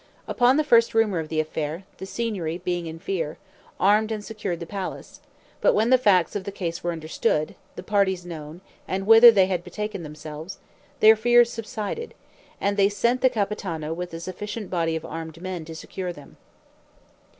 Upon the first rumor of the affair, the Signory being in fear, armed and secured the palace; but when the facts of the case were understood, the parties known, and whither they had betaken themselves, their fears subsided, and they sent the Capitano with a sufficient body of armed men to secure them.